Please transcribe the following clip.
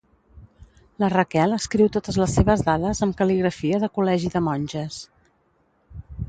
La Raquel escriu totes les seves dades amb cal·ligrafia de col·legi de monges.